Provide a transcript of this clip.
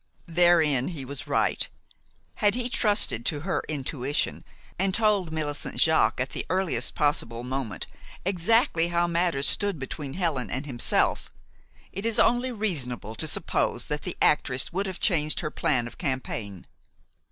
Therein he was right. Had he trusted to her intuition, and told Millicent Jaques at the earliest possible moment exactly how matters stood between Helen and himself, it is only reasonable to suppose that the actress would have changed her plan of campaign.